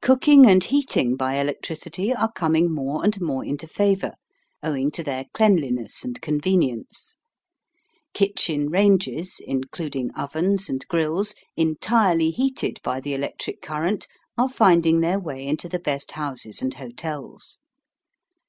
Cooking and heating by electricity are coming more and more into favour, owing to their cleanliness and convenience. Kitchen ranges, including ovens and grills, entirely heated by the electric current, are finding their way into the best houses and hotels.